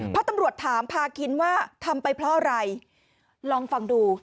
เพราะตำรวจถามพาคินว่าทำไปเพราะอะไรลองฟังดู